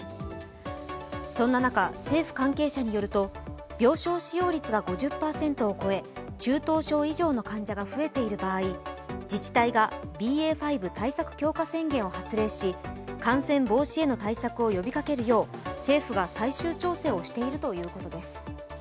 そんな中、政府関係者によると、病床使用率が５０％を超え、中等症以上の患者が増えている場合、自治体がＢＡ．５対策強化宣言を発令し、感染防止への対策を呼びかけるよう政府が最終調整をしているということです。